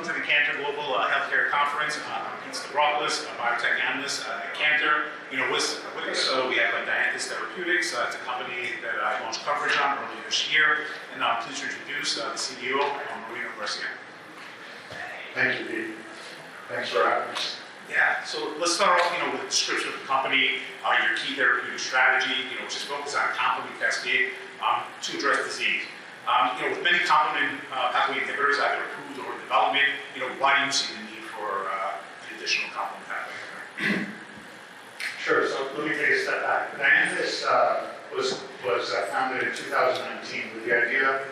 ...Welcome to the Cantor Global Healthcare Conference. I'm Pete Stavropoulos, a biotech analyst at Cantor. You know, with us today, we have Dianthus Therapeutics. It's a company that I launched coverage on earlier this year, and I'm pleased to introduce the CEO, Marino Garcia. Thank you, Pete. Thanks for having us. Yeah. So let's start off, you know, with a description of the company, your key therapeutic strategy, you know, which is focused on complement cascade, to address disease. You know, with many complement pathway inhibitors either approved or in development, you know, why do you see the need for the additional complement pathway? Sure, so let me take a step back. Dianthus was founded in two thousand and nineteen with the idea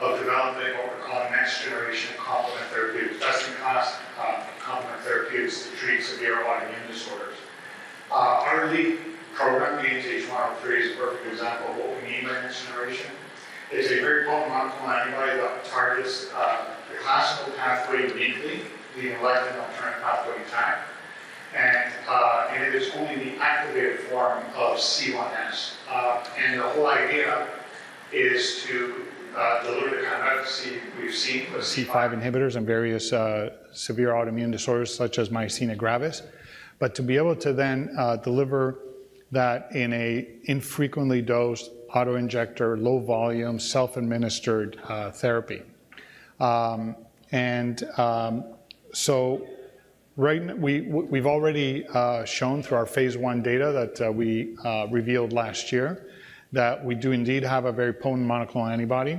of developing what we're calling next-generation complement therapeutics. That's the class of complement therapeutics to treat severe autoimmune disorders. Our lead program, DNTH103, is a perfect example of what we mean by next generation. It's a very potent monoclonal antibody that targets the classical pathway uniquely, the lectin and alternative pathways intact, and it is only the activated form of C1s. And the whole idea is to deliver the kind of efficacy we've seen with C5 inhibitors in various severe autoimmune disorders, such as myasthenia gravis, but to be able to then deliver that in a infrequently dosed auto-injector, low-volume, self-administered therapy. We've already shown through our phase I data that we revealed last year that we do indeed have a very potent monoclonal antibody.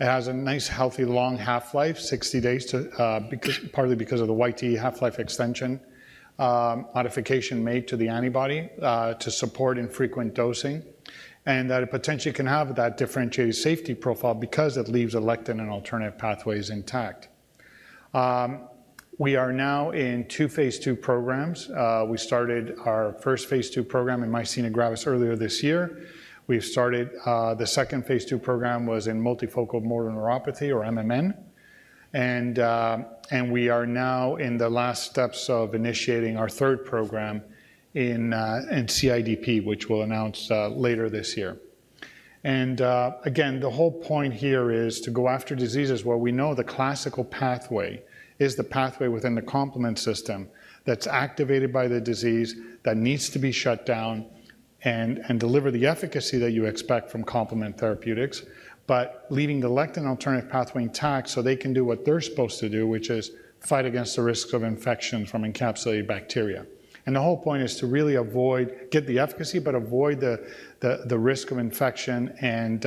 It has a nice, healthy, long half-life, 60 days, because partly because of the YTE half-life extension modification made to the antibody to support infrequent dosing, and that it potentially can have that differentiated safety profile because it leaves lectin and alternative pathways intact. We are now in two phase II programs. We started our first phase II program in myasthenia gravis earlier this year. We've started the second phase II program was in multifocal motor neuropathy, or MMN, and we are now in the last steps of initiating our third program in CIDP, which we'll announce later this year. Again, the whole point here is to go after diseases where we know the classical pathway is the pathway within the complement system that's activated by the disease, that needs to be shut down, and deliver the efficacy that you expect from complement therapeutics, but leaving the lectin alternative pathway intact so they can do what they're supposed to do, which is fight against the risk of infection from encapsulated bacteria. The whole point is to really get the efficacy, but avoid the risk of infection and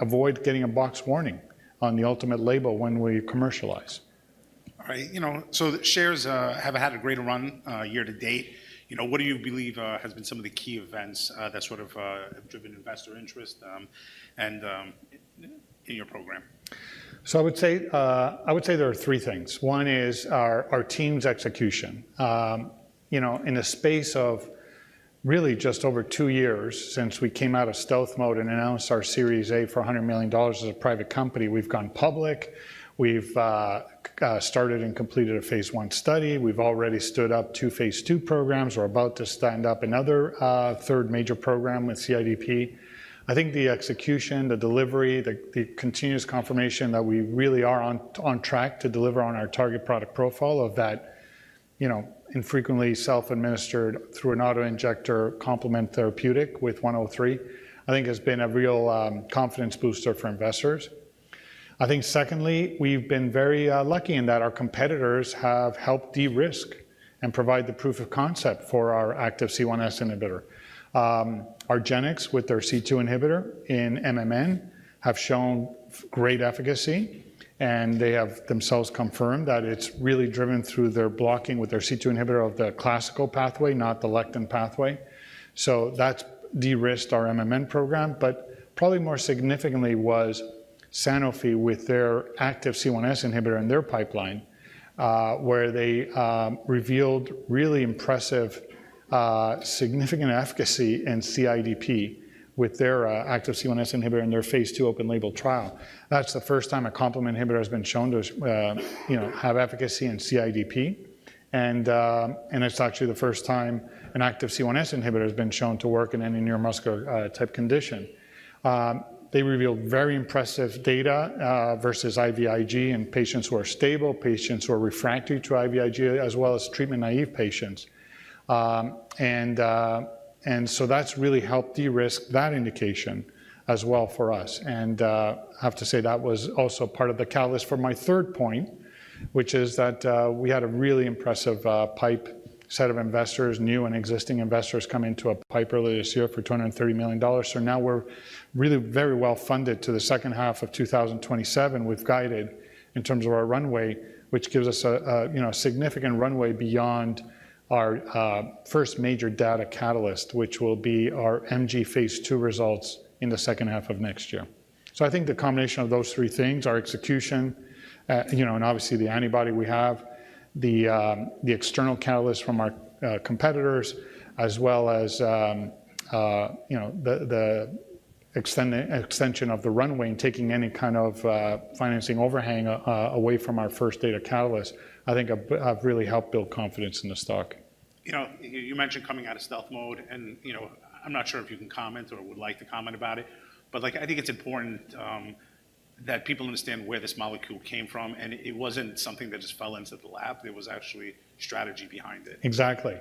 avoid getting a boxed warning on the ultimate label when we commercialize. All right. You know, so the shares have had a great run year to date. You know, what do you believe has been some of the key events that sort of have driven investor interest, and in your program? I would say there are three things. One is our team's execution. You know, in a space of really just over 2 years since we came out of stealth mode and announced our Series A for $100 million as a private company, we've gone public. We've started and completed a phase I study. We've already stood up 2 phase II programs. We're about to stand up another third major program with CIDP. I think the execution, the delivery, the continuous confirmation that we really are on track to deliver on our target product profile of that, you know, infrequently self-administered through an auto-injector complement therapeutic with 103, I think has been a real confidence booster for investors. I think secondly, we've been very lucky in that our competitors have helped de-risk and provide the proof of concept for our active C1s inhibitor. argenx, with their C2 inhibitor in MMN, have shown great efficacy, and they have themselves confirmed that it's really driven through their blocking with their C2 inhibitor of the classical pathway, not the lectin pathway. So that's de-risked our MMN program, but probably more significantly was Sanofi with their active C1s inhibitor in their pipeline, where they revealed really impressive significant efficacy in CIDP with their active C1s inhibitor in their phase II open label trial. That's the first time a complement inhibitor has been shown to, you know, have efficacy in CIDP, and it's actually the first time an active C1s inhibitor has been shown to work in any neuromuscular type condition. They revealed very impressive data versus IVIG in patients who are stable, patients who are refractory to IVIG, as well as treatment-naive patients, and so that's really helped de-risk that indication as well for us, and I have to say that was also part of the catalyst for my third point, which is that we had a really impressive PIPE set of investors, new and existing investors, come into a PIPE earlier this year for $230 million, so now we're really very well funded to the second half of 2027. We've guided in terms of our runway, which gives us a, you know, significant runway beyond our first major data catalyst, which will be our MG phase II results in the second half of next year. So I think the combination of those three things, our execution, you know, and obviously the antibody we have, the external catalyst from our competitors, as well as, you know, the extension of the runway and taking any kind of financing overhang away from our first data catalyst, I think have really helped build confidence in the stock.... You know, you mentioned coming out of stealth mode, and, you know, I'm not sure if you can comment or would like to comment about it, but, like, I think it's important that people understand where this molecule came from, and it wasn't something that just fell into the lap. There was actually strategy behind it. Exactly.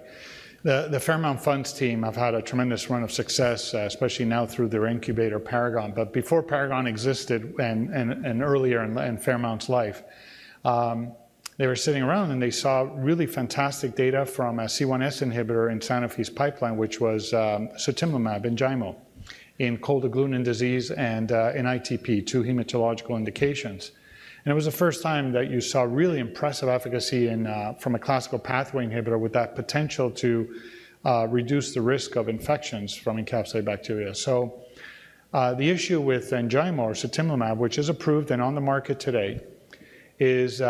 The Fairmount Funds team have had a tremendous run of success, especially now through their incubator, Paragon. But before Paragon existed and earlier in Fairmount's life, they were sitting around, and they saw really fantastic data from a C1s inhibitor in Sanofi's pipeline, which was sutimlimab, Enjaymo, in cold agglutinin disease and in ITP, two hematological indications. And it was the first time that you saw really impressive efficacy from a classical pathway inhibitor with that potential to reduce the risk of infections from encapsulated bacteria. So, the issue with Enjaymo or sutimlimab, which is approved and on the market today, is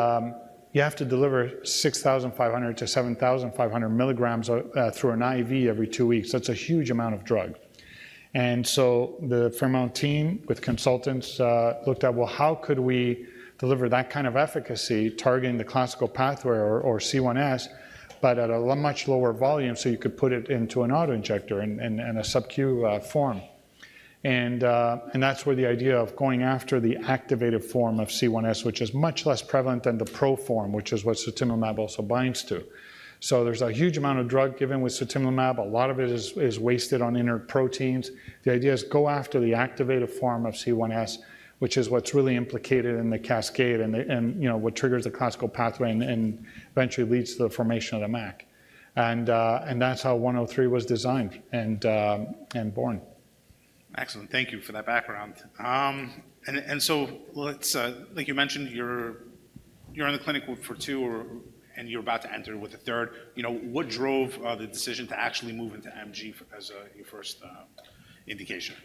you have to deliver six thousand five hundred to seven thousand five hundred milligrams through an IV every two weeks. That's a huge amount of drug. And so the Fairmount team, with consultants, looked at, well, how could we deliver that kind of efficacy targeting the classical pathway or C1s, but at a much lower volume, so you could put it into an auto injector in a subcu form? And that's where the idea of going after the activated form of C1s, which is much less prevalent than the pro form, which is what sutimlimab also binds to. So there's a huge amount of drug given with sutimlimab. A lot of it is wasted on inert proteins. The idea is go after the activated form of C1s, which is what's really implicated in the cascade and, you know, what triggers the classical pathway and eventually leads to the formation of the MAC. And that's how 103 was designed and born. Excellent. Thank you for that background. And so let's. Like you mentioned, you're in the clinic with two, and you're about to enter with a third. You know, what drove the decision to actually move into MG as your first indication?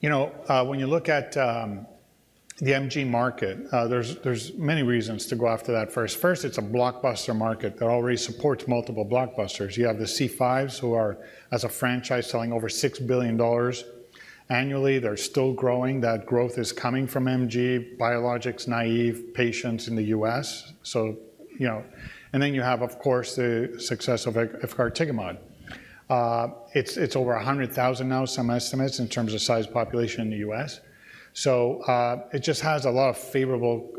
You know, when you look at the MG market, there's many reasons to go after that first. First, it's a blockbuster market that already supports multiple blockbusters. You have the C5s, who are as a franchise, selling over $6 billion annually. They're still growing. That growth is coming from MG, biologics-naive patients in the U.S. So, you know. And then you have, of course, the success of efgartigimod. It's over 100,000 now, some estimates, in terms of size population in the U.S. So, it just has a lot of favorable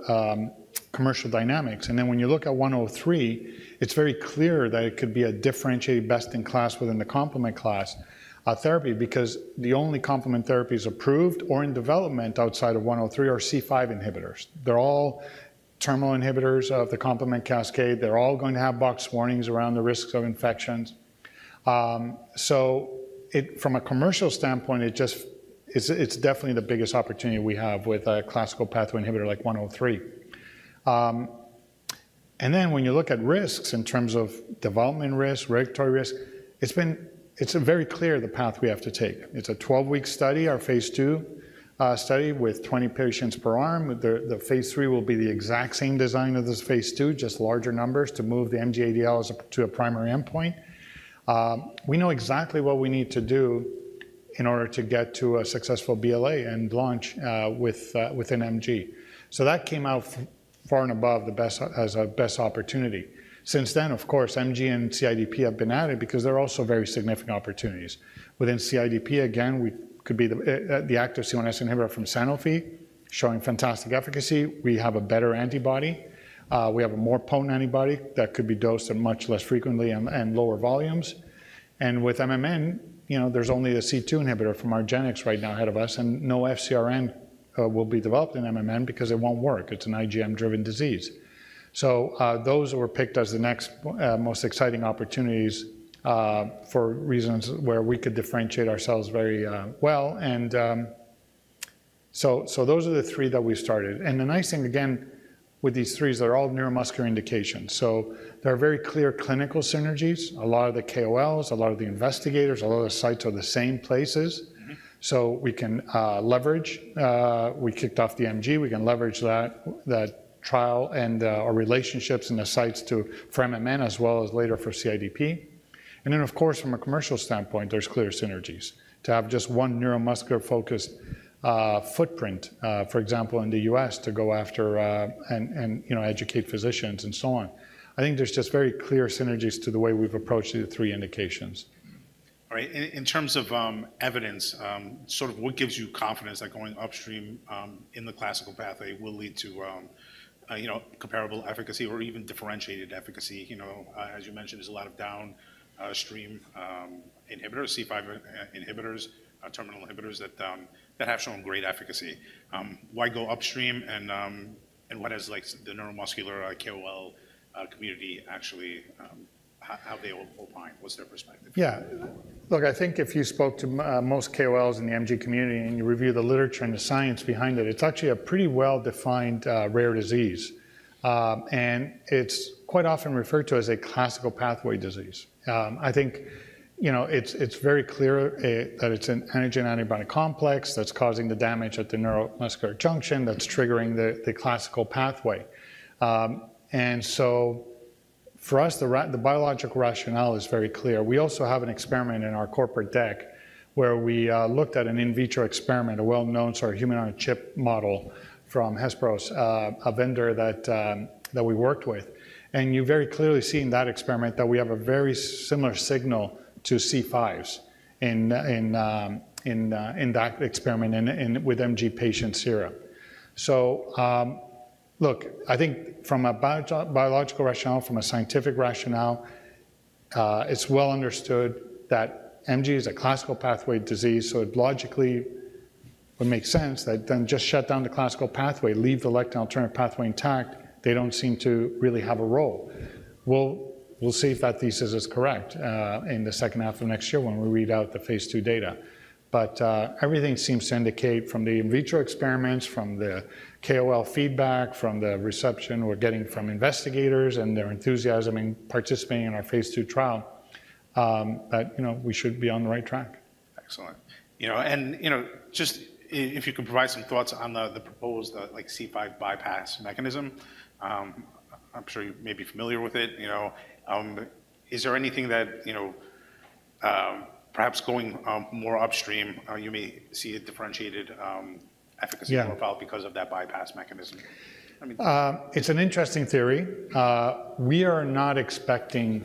commercial dynamics. And then when you look at 103, it's very clear that it could be a differentiated best-in-class within the complement class therapy, because the only complement therapies approved or in development outside of 103 are C5 inhibitors. They're all terminal inhibitors of the complement cascade. They're all going to have boxed warnings around the risks of infections. From a commercial standpoint, it's definitely the biggest opportunity we have with a classical pathway inhibitor like 103. And then when you look at risks in terms of development risk, regulatory risk, it's very clear the path we have to take. It's a 12-week study, our phase II study, with 20 patients per arm. The phase III will be the exact same design of this phase II, just larger numbers to move the MGADLs to a primary endpoint. We know exactly what we need to do in order to get to a successful BLA and launch within MG. That came out far and above the best, as a best opportunity. Since then, of course, MG and CIDP have been added because they're also very significant opportunities. Within CIDP, again, we could be the active C1s inhibitor from Sanofi, showing fantastic efficacy. We have a better antibody. We have a more potent antibody that could be dosed much less frequently and lower volumes. And with MMN, you know, there's only a C2 inhibitor from argenx right now ahead of us, and no FcRn will be developed in MMN because it won't work. It's an IgM-driven disease. So those were picked as the next most exciting opportunities for reasons where we could differentiate ourselves very well. And so those are the three that we started. And the nice thing, again, with these three, is they're all neuromuscular indications, so there are very clear clinical synergies. A lot of the KOLs, a lot of the investigators, a lot of the sites are the same places. Mm-hmm. So we can leverage. We kicked off the MG. We can leverage that trial and our relationships and the sites to for MMN, as well as later for CIDP. And then, of course, from a commercial standpoint, there's clear synergies. To have just one neuromuscular-focused footprint, for example, in the U.S., to go after, and you know, educate physicians and so on. I think there's just very clear synergies to the way we've approached the three indications. All right. In terms of evidence, sort of what gives you confidence that going upstream in the classical pathway will lead to you know, comparable efficacy or even differentiated efficacy? You know, as you mentioned, there's a lot of downstream inhibitors, C5 inhibitors, terminal inhibitors that have shown great efficacy. Why go upstream, and what is, like, the neuromuscular KOL community, actually, how they align? What's their perspective? Yeah. Look, I think if you spoke to most KOLs in the MG community, and you review the literature and the science behind it, it's actually a pretty well-defined rare disease, and it's quite often referred to as a classical pathway disease. I think, you know, it's very clear that it's an antigen-antibody complex that's causing the damage at the neuromuscular junction that's triggering the classical pathway, and so for us, the biological rationale is very clear. We also have an experiment in our corporate deck, where we looked at an in vitro experiment, a well-known sort of human-on-a-chip model from Hesperos, a vendor that we worked with. You very clearly see in that experiment that we have a very similar signal to C5s in that experiment with MG patient sera. Look, I think from a biological rationale, from a scientific rationale, it's well understood that MG is a classical pathway disease, so it logically would make sense that then just shut down the classical pathway, leave the lectin and alternative pathways intact. They don't seem to really have a role. We'll see if that thesis is correct in the second half of next year when we read out the phase two data. Everything seems to indicate from the in vitro experiments, from the KOL feedback, from the reception we're getting from investigators and their enthusiasm in participating in our phase two trial, that, you know, we should be on the right track. Excellent. You know, and, you know, just if you could provide some thoughts on the proposed, like, C5 bypass mechanism. I'm sure you may be familiar with it, you know. Is there anything that, you know, perhaps going more upstream, you may see a differentiated efficacy- Yeah profile because of that bypass mechanism? I mean- It's an interesting theory. We are not expecting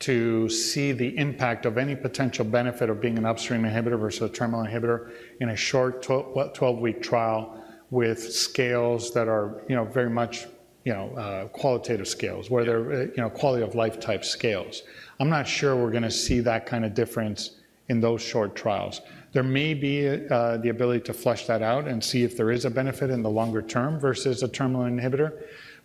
to see the impact of any potential benefit of being an upstream inhibitor versus a terminal inhibitor in a short, what, twelve-week trial with scales that are, you know, very much, you know, qualitative scales. Yeah ...whether, you know, quality-of-life-type scales. I'm not sure we're gonna see that kind of difference in those short trials. There may be the ability to flesh that out and see if there is a benefit in the longer term versus a terminal inhibitor,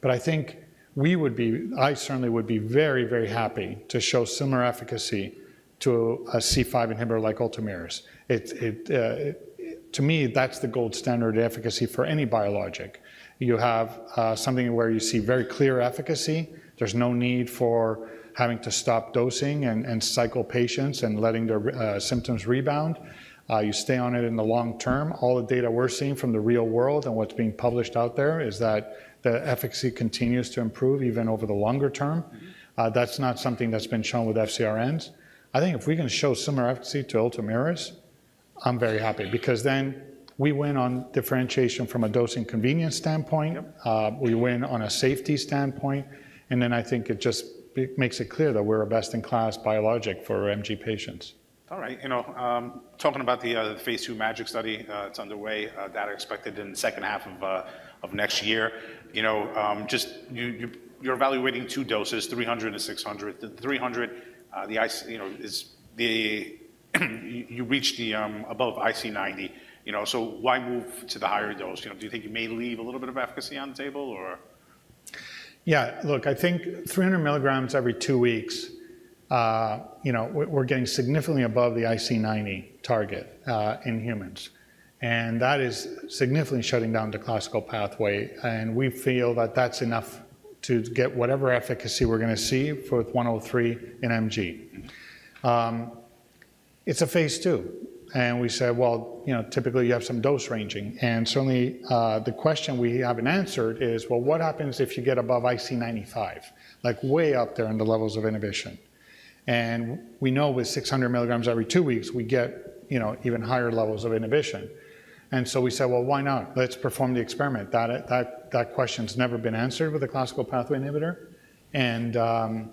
but I think we would be... I certainly would be very, very happy to show similar efficacy to a C5 inhibitor like Ultomiris. It-- to me, that's the gold standard efficacy for any biologic. You have something where you see very clear efficacy. There's no need for having to stop dosing and cycle patients and letting their symptoms rebound. You stay on it in the long term. All the data we're seeing from the real world and what's being published out there is that the efficacy continues to improve even over the longer term. Mm-hmm. That's not something that's been shown with FcRns. I think if we're gonna show similar efficacy to Ultomiris, I'm very happy because then we win on differentiation from a dosing convenience standpoint. Yep. We win on a safety standpoint, and then I think it just makes it clear that we're a best-in-class biologic for MG patients. All right. You know, talking about the phase 2 MaGic trial, it's underway, data expected in the second half of next year. You know, just you're evaluating two doses, 300 and 600. The 300, the IC90, you know, is the... You reach above IC90. You know, so why move to the higher dose? You know, do you think you may leave a little bit of efficacy on the table or? Yeah, look, I think 300 milligrams every two weeks, you know, we're, we're getting significantly above the IC90 target in humans, and that is significantly shutting down the classical pathway, and we feel that that's enough to get whatever efficacy we're gonna see for 103 in MG. It's a phase 2, and we said: Well, you know, typically, you have some dose ranging. And certainly, the question we haven't answered is, well, what happens if you get above IC95, like, way up there in the levels of inhibition? And we know with 600 milligrams every two weeks, we get, you know, even higher levels of inhibition. And so we said: Well, why not? Let's perform the experiment. That question's never been answered with a classical pathway inhibitor, and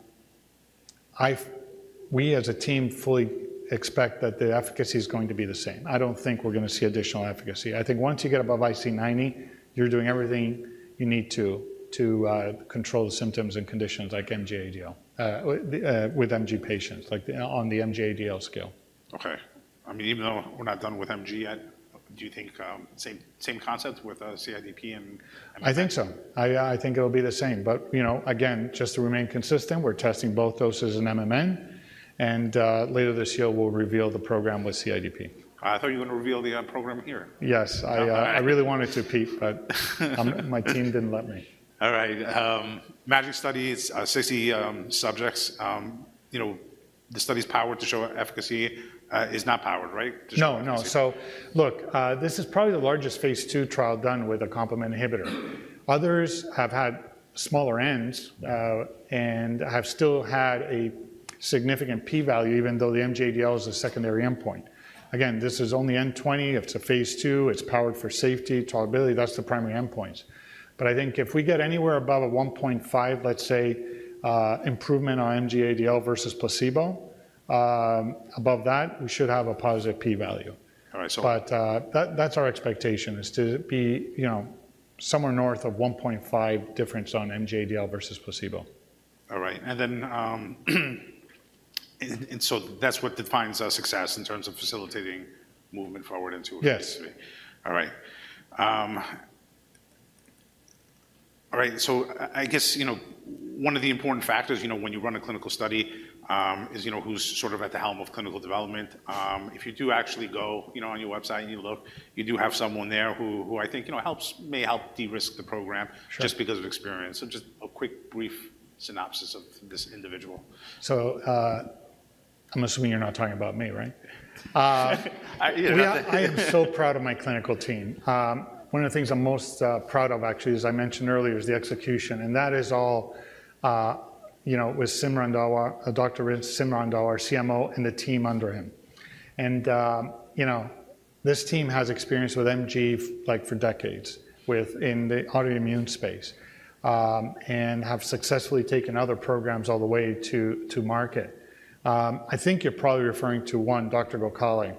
we as a team fully expect that the efficacy is going to be the same. I don't think we're gonna see additional efficacy. I think once you get above IC90, you're doing everything you need to control the symptoms and conditions like MGADL with MG patients, like on the MGADL scale. Okay. I mean, even though we're not done with MG yet, do you think same concept with CIDP and MMN? I think so. I think it'll be the same, but, you know, again, just to remain consistent, we're testing both doses in MMN, and later this year, we'll reveal the program with CIDP. I thought you were gonna reveal the program here. Yes, I really wanted to, Pete, but my team didn't let me. All right. MaGic trial, it's 60 subjects. You know, the study's powered to show efficacy, is not powered, right? No, no. So look, this is probably the largest phase 2 trial done with a complement inhibitor. Others have had smaller ends- Yeah... and have still had a significant p-value, even though the MGADL is a secondary endpoint. Again, this is only N 20. It's a phase two. It's powered for safety, tolerability. That's the primary endpoints. But I think if we get anywhere above a one point five, let's say, improvement on MGADL versus placebo, above that, we should have a positive p-value. All right. That's our expectation, is to be, you know, somewhere north of 1.5 difference on MGADL versus placebo. All right. And then, and so that's what defines our success in terms of facilitating movement forward into- Yes. All right. All right, so I guess, you know, one of the important factors, you know, when you run a clinical study, is, you know, who's sort of at the helm of clinical development. If you do actually go, you know, on your website and you look, you do have someone there who I think, you know, helps... may help de-risk the program- Sure... just because of experience. So just a quick, brief synopsis of this individual.... I'm assuming you're not talking about me, right? You know- I am so proud of my clinical team. One of the things I'm most proud of, actually, as I mentioned earlier, is the execution, and that is all, you know, with Simrat Randhawa, Dr. Simrat Randhawa, our CMO, and the team under him. You know, this team has experience with MG like, for decades, within the autoimmune space, and have successfully taken other programs all the way to market. I think you're probably referring to Dr. Gokhale,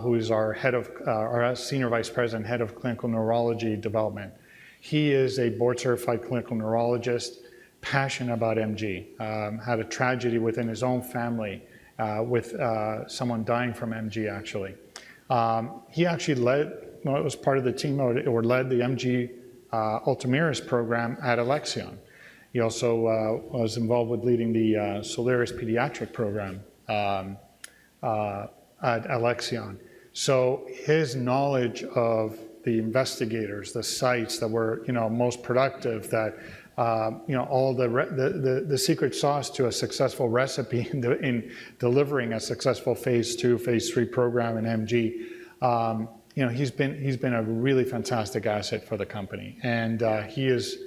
who is our Senior Vice President, Head of Clinical Development, Neurology. He is a board-certified clinical neurologist, passionate about MG. Had a tragedy within his own family, with someone dying from MG, actually. He actually led... It was part of the team or led the MG Ultomiris program at Alexion. He also was involved with leading the Soliris pediatric program at Alexion. So his knowledge of the investigators, the sites that were, you know, most productive, that, you know, all the the secret sauce to a successful recipe in in delivering a successful phase II, phase III program in MG, you know, he's been a really fantastic asset for the company. And he is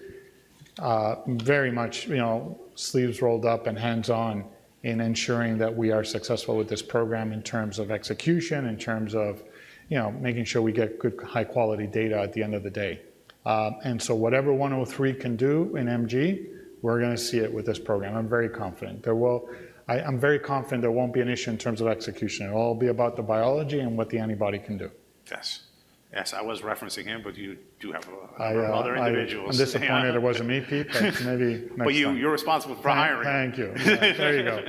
very much, you know, sleeves rolled up and hands-on in ensuring that we are successful with this program in terms of execution, in terms of, you know, making sure we get good, high-quality data at the end of the day. and so whatever 103 can do in MG, we're gonna see it with this program. I'm very confident. I, I'm very confident there won't be an issue in terms of execution. It'll all be about the biology and what the antibody can do. Yes. Yes, I was referencing him, but you do have, I, I- - other individuals. I'm disappointed it wasn't me, Pete, but maybe next time. But you, you're responsible for hiring. Thank you. There you go.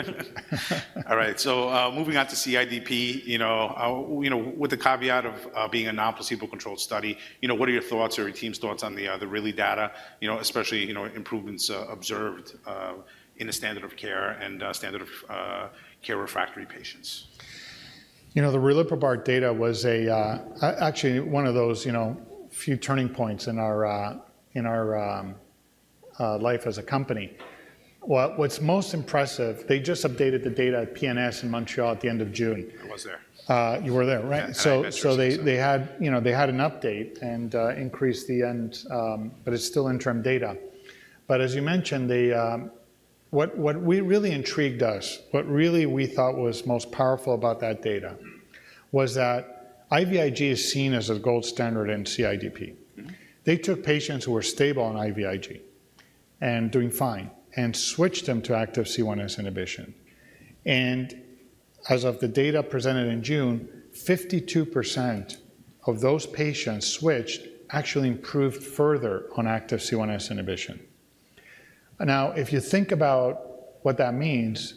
All right. So, moving on to CIDP, you know, with the caveat of being a non-placebo-controlled study, you know, what are your thoughts or your team's thoughts on the real-world data? You know, especially improvements observed in the standard of care and standard of care-refractory patients. You know, the riliprubart data was actually one of those, you know, few turning points in our life as a company. What's most impressive, they just updated the data at PNS in Montreal at the end of June. I was there. You were there, right? Yeah, and I... You know, they had an update and increased the N, but it's still interim data. But as you mentioned, what really intrigued us, what we thought was most powerful about that data was that IVIG is seen as a gold standard in CIDP. Mm-hmm. They took patients who were stable on IVIG and doing fine and switched them to active C1s inhibition and as of the data presented in June, 52% of those patients switched, actually improved further on active C1s inhibition. Now, if you think about what that means,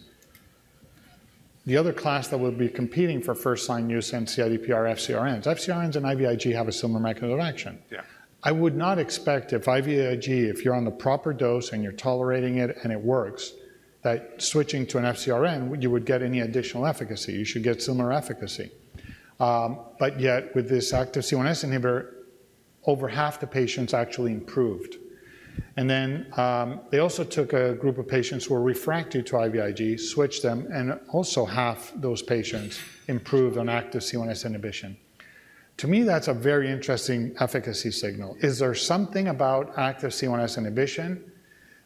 the other class that would be competing for first-line use in CIDP are FcRNs. FcRNs and IVIG have a similar mechanism of action. Yeah. I would not expect if IVIG, if you're on the proper dose and you're tolerating it and it works, that switching to an FcRn, you would get any additional efficacy. You should get similar efficacy. But yet, with this active C1s inhibitor, over half the patients actually improved. And then, they also took a group of patients who were refractory to IVIG, switched them, and also half those patients improved on active C1s inhibition. To me, that's a very interesting efficacy signal. Is there something about active C1s inhibition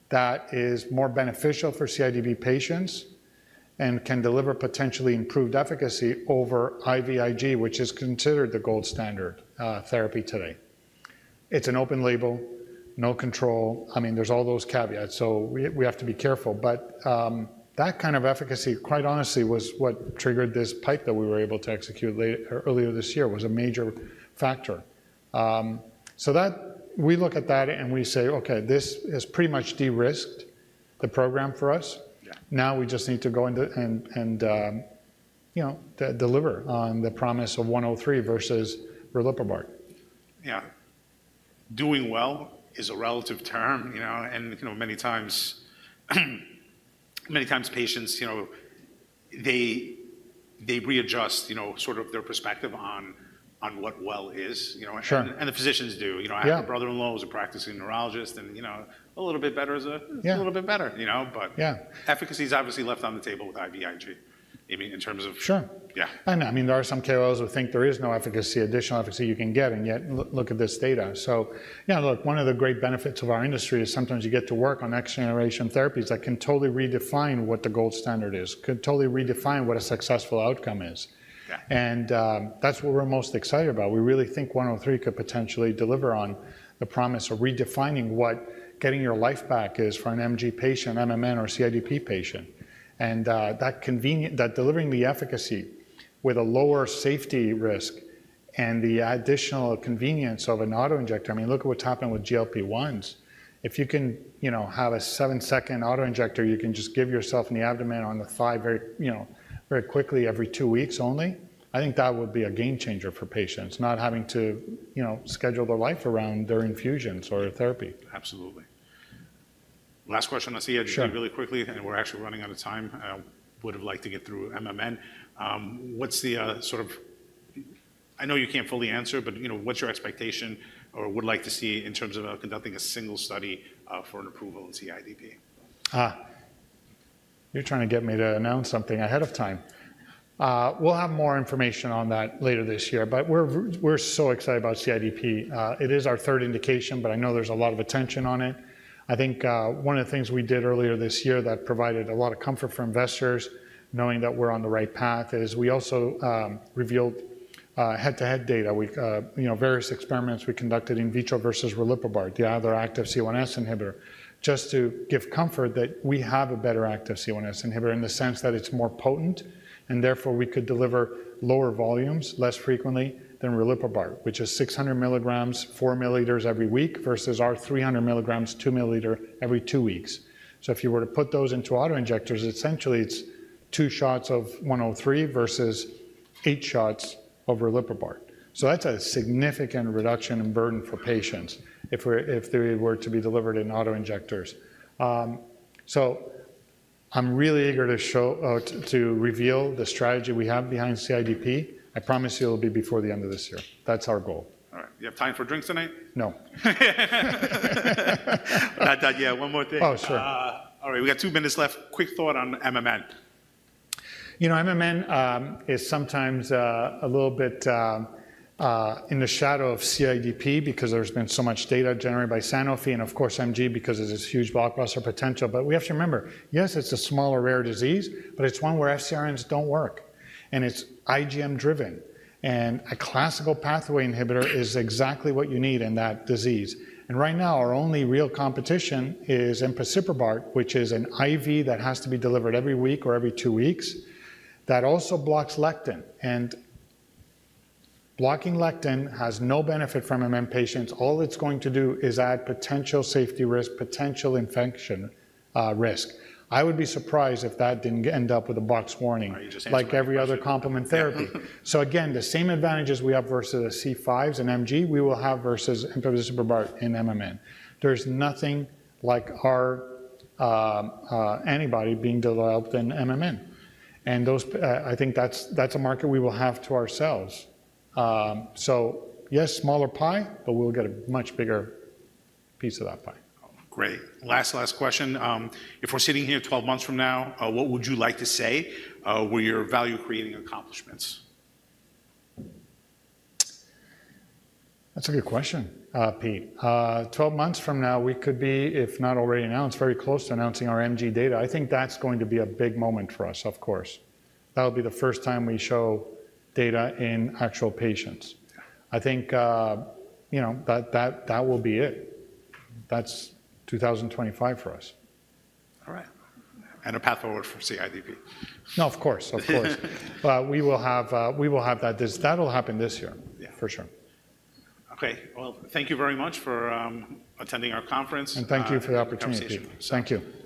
that is more beneficial for CIDP patients and can deliver potentially improved efficacy over IVIG, which is considered the gold standard therapy today? It's an open label, no control. I mean, there's all those caveats, so we have to be careful. But, that kind of efficacy, quite honestly, was what triggered this PIPE that we were able to execute late, earlier this year, was a major factor. So, we look at that and we say: "Okay, this has pretty much de-risked the program for us. Yeah. Now, we just need to go into and, you know, deliver on the promise of 103 versus riliprubart. Yeah. Doing well is a relative term, you know, and, you know, many times patients, you know, they readjust, you know, sort of their perspective on what well is, you know? Sure. The physicians do. Yeah. You know, I have a brother-in-law who's a practicing neurologist and, you know. Yeah... a little bit better, you know? But- Yeah... efficacy is obviously left on the table with IVIG, I mean, in terms of... Sure. Yeah. I know. I mean, there are some KOLs who think there is no efficacy, additional efficacy you can get, and yet, look at this data. So yeah, look, one of the great benefits of our industry is sometimes you get to work on next-generation therapies that can totally redefine what the gold standard is, could totally redefine what a successful outcome is. Yeah. That's what we're most excited about. We really think 103 could potentially deliver on the promise of redefining what getting your life back is for an MG patient, MMN, or CIDP patient. That convenient- that delivering the efficacy with a lower safety risk and the additional convenience of an auto-injector, I mean, look at what's happened with GLP-1s. If you can, you know, have a seven-second auto-injector, you can just give yourself in the abdomen or on the thigh very, you know, very quickly, every two weeks only, I think that would be a game changer for patients, not having to, you know, schedule their life around their infusions or therapy. Absolutely. Last question, I'll ask you- Sure... really quickly, and we're actually running out of time. I would've liked to get through MMN. I know you can't fully answer, but, you know, what's your expectation or would like to see in terms of conducting a single study for an approval in CIDP? You're trying to get me to announce something ahead of time. We'll have more information on that later this year, but we're very excited about CIDP. It is our third indication, but I know there's a lot of attention on it. I think one of the things we did earlier this year that provided a lot of comfort for investors, knowing that we're on the right path, is we also revealed head-to-head data. We've, you know, various experiments we conducted in vitro versus riliprubart, the other active C1s inhibitor, just to give comfort that we have a better active C1s inhibitor in the sense that it's more potent, and therefore, we could deliver lower volumes less frequently than riliprubart, which is 600 milligrams, 4 milliliters every week, versus our 300 milligrams, 2 milliliters every two weeks. So if you were to put those into auto-injectors, essentially it's two shots of DNTH103 versus eight shots of riliprubart. So that's a significant reduction in burden for patients if they were to be delivered in auto-injectors. So I'm really eager to reveal the strategy we have behind CIDP. I promise you it'll be before the end of this year. That's our goal. All right. Do you have time for drinks tonight? No. Yeah, one more thing. Oh, sure. All right, we got two minutes left. Quick thought on MMN. You know, MMN, is sometimes, a little bit, in the shadow of CIDP because there's been so much data generated by Sanofi and, of course, MG, because of this huge blockbuster potential. But we have to remember, yes, it's a smaller, rare disease, but it's one where FCRns don't work, and it's IGM driven, and a classical pathway inhibitor is exactly what you need in that disease. And right now, our only real competition is empasiprubart, which is an IV that has to be delivered every week or every two weeks, that also blocks lectin, and blocking lectin has no benefit for MMN patients. All it's going to do is add potential safety risk, potential infection, risk. I would be surprised if that didn't end up with a box warning- You just answered my question.... like every other complement therapy. So again, the same advantages we have versus the C5s and MG, we will have versus empasiprubart in MMN. There's nothing like our antibody being developed in MMN, and those, I think that's a market we will have to ourselves. So yes, smaller pie, but we'll get a much bigger piece of that pie. Great. Last question. If we're sitting here 12 months from now, what would you like to say were your value creating accomplishments? That's a good question, Pete. 12 months from now, we could be, if not already announced, very close to announcing our MG data. I think that's going to be a big moment for us, of course. That'll be the first time we show data in actual patients. Yeah. I think, you know, that will be it. That's 2025 for us. All right. And a path forward for CIDP. No, of course, of course. But we will have, we will have that this... That'll happen this year- Yeah... for sure. Okay. Well, thank you very much for attending our conference- Thank you for the opportunity, Pete. Conversation. Thank you.